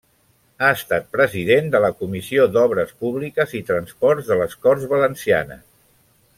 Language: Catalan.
Ha estat president de la Comissió d'Obres Públiques i Transports de les Corts Valencianes.